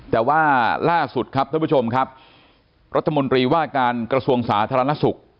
แต่ว่าล่าสุดครับท่านผู้ชมครับรัฐมนตรีว่าการกระทรวงสาธารณสุข